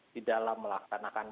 di dalam melaksanakan